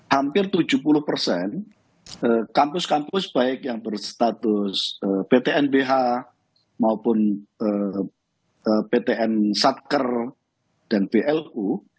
hampir tujuh puluh kampus kampus baik yang berstatus pt nbh maupun ptn satker dan plu